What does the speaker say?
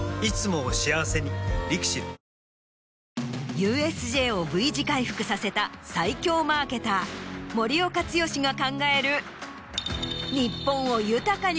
ＵＳＪをＶ字回復させた最強マーケター森岡毅が考える。